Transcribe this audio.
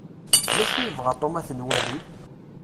D acu i yebɣa Tom ad t-nwali?